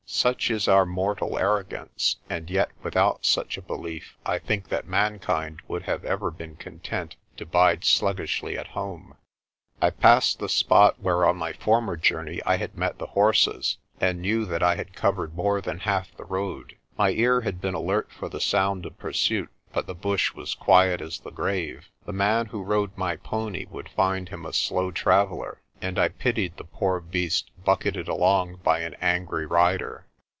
Such is our mortal arrogance, and yet without such a belief I think that mankind would have ever been content to bide sluggishly at home. I passed the spot where on my former journey I had met the horses and knew that I had covered more than half the road. My ear had been alert for the sound of pursuit, but the bush was quiet as the grave. The man who rode my pony would find him a slow traveller, and I pitied the poor beast bucketed along by an angry rider.